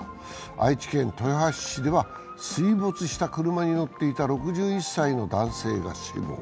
愛知県豊橋市では水没した車に乗っていた６１歳の男性が死亡。